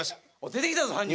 出てきたぞ犯人。